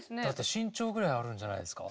身長ぐらいあるんじゃないですか？